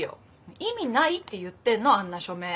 意味ないって言ってんのあんな署名。